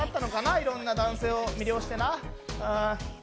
いろんな男性を魅了してな。